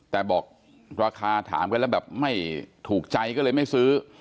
แต่บอกราคาถามกันแล้วแบบไม่ถูกใจก็เลยไม่ซื้อ